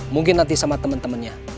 mungkin nanti sama teman temannya